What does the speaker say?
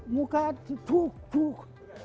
muka buk buk